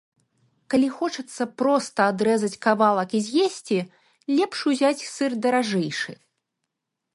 Калі хочацца проста адрэзаць кавалак і з'есці, лепш узяць сыр даражэйшы.